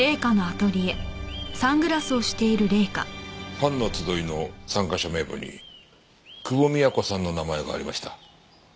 ファンの集いの参加者名簿に久保美也子さんの名前がありました。